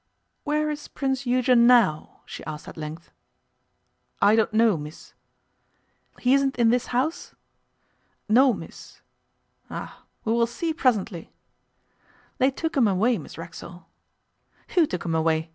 'Where is Prince Eugen now?' she asked at length. 'I don't know, miss.' 'He isn't in this house?' 'No, miss.' 'Ah! We will see presently.' 'They took him away, Miss Racksole.' 'Who took him away?